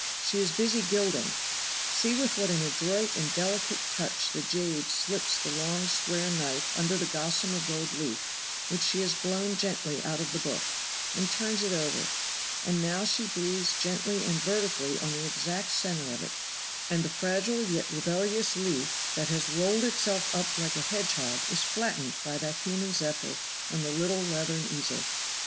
She is busy gilding. See with what an adroit and delicate touch the jade slips the long square knife under the gossamer gold leaf which she has blown gently out of the book and turns it over; and now she breathes gently and vertically on the exact center of it, and the fragile yet rebellious leaf that has rolled itself up like a hedgehog is flattened by that human zephyr on the little leathern easel.